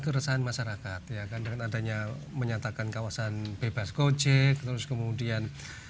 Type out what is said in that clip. keresahan masyarakat ya kan dengan adanya menyatakan kawasan bebas gojek terus kemudian